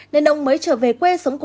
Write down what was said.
nên ông mới trở về quê sau